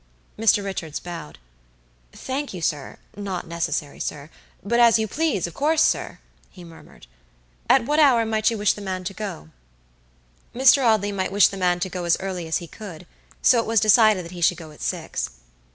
Mr. Richards bowed. "Thank you, sirnot necessary, sir; but as you please, of course, sir," he murmured. "At what hour might you wish the man to go?" Mr. Audley might wish the man to go as early as he could, so it was decided that he should go at six.